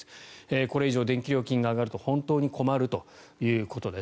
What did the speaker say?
これ以上、電気料金が上がると本当に困るということです。